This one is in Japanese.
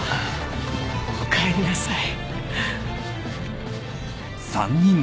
おかえりなさい。